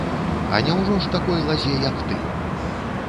А няўжо ж такой лазе, як ты?